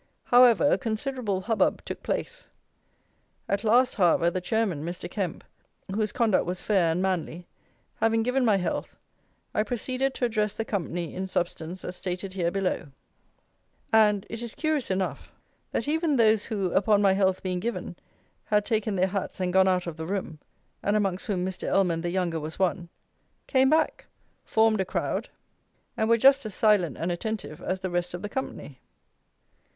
However, a considerable hubbub took place. At last, however, the Chairman, Mr. Kemp, whose conduct was fair and manly, having given my health, I proceeded to address the company in substance as stated here below; and, it is curious enough, that even those who, upon my health being given, had taken their hats and gone out of the room (and amongst whom Mr. Ellman the younger was one) came back, formed a crowd, and were just as silent and attentive as the rest of the company!